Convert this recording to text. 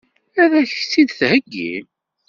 Ad k-tt-id-theggi?